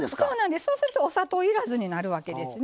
そうするとお砂糖いらずになるわけですね。